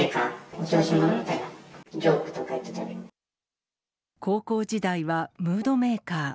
お調子者みたいな、ジョークとか高校時代はムードメーカー。